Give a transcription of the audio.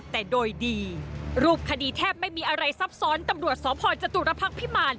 ทีแทบไม่มีอะไรซับซ้อนตำรวจสอบพ่อจตุรพรรคพิมมาล